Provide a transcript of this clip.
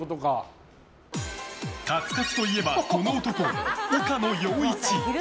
カツカツといえばこの男岡野陽一。